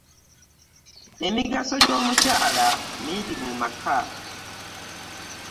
Emigaso j'omukyala minji mu maka .